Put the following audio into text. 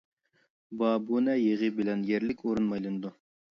بابۇنە يېغى بىلەن يەرلىك ئورۇن مايلىنىدۇ.